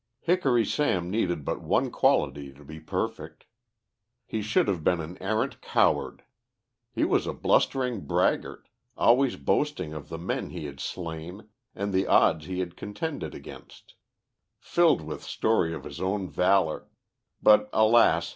Hickory Sam needed but one quality to be perfect. He should have been an arrant coward. He was a blustering braggart, always boasting of the men he had slain, and the odds he had contended against; filled with stories of his own valour, but alas!